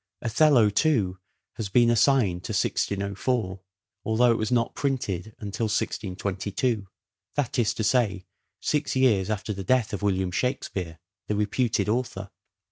" Othello," too, has been assigned to 1604 although it was not printed until 1622 ; that is to say, six years after the death of William Shakspere, the reputed author.